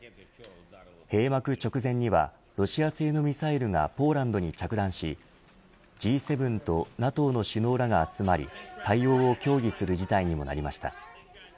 閉幕直前にはロシア製のミサイルがポーランドに着弾しＧ７とＮＡＴＯの首脳らが集まり対応を協議する事態にもなりました。